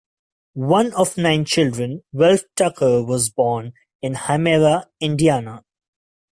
One of nine children, Ralph Tucker was born in Hymera, Indiana.